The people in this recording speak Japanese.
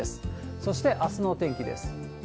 そしてあすのお天気です。